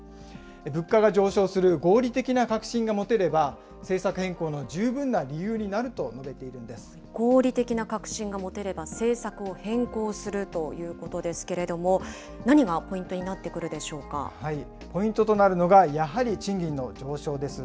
物価が上昇する合理的な確信が持てれば、政策変更の十分な理由に合理的な確信が持てれば、政策を変更するということですけれども、何がポイントになってくポイントとなるのが、やはり賃金の上昇です。